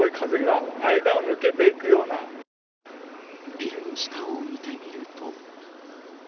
ビルの下を見てみると。